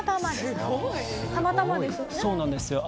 そうなんですよ。